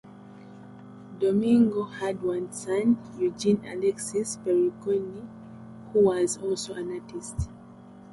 Domingo had one son, Eugene Alexis Periconi, who was also an artist.